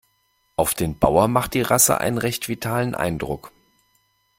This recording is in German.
Auf den Bauer macht die Rasse einen recht vitalen Eindruck.